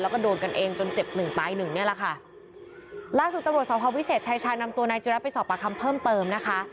แล้วก็โดนกันเองจนเจ็บหนึ่งตายหนึ่งเนี่ยแหละค่ะล่าสุดตำรวจสอบภาววิเศษชายชานำตัวนายจิระไปสอบประคำเพิ่มเติมนะคะ